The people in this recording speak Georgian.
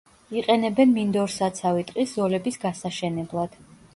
იყენებენ მინდორსაცავი ტყის ზოლების გასაშენებლად.